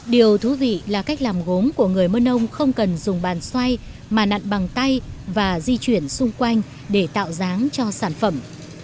điều thú vị là cách làm gốm của người m mơn ông không cần dùng bàn xoay mà nặn bằng tay và di chuyển xung quanh để tạo dáng cho sản phẩm